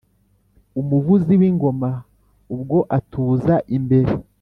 umuvuzi w'ingoma ubwo atuza imbere.